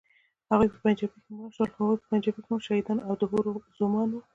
هغوی چې په پنجابۍ کې مړه شول، شهیدان او د حورو زومان وو.